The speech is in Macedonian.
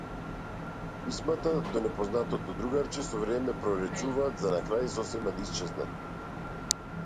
Писмата до непознатото другарче со време проретчуваат за на крај сосема да исчезнат.